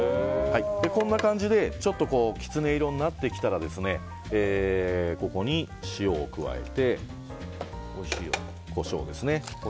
こんな感じでちょっとキツネ色になってきたらここに塩を加えてコショウですね。